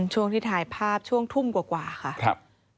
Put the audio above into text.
ช่วงที่ถ่ายภาพช่วงทุ่มกว่าค่ะครับ